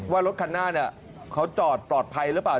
ว่ารถคันหน้าเขาจอดปลอดภัยหรือเปล่า